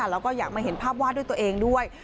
แล้วก็อยากมาเห็นภาพวาดด้วยตัวเองด้วย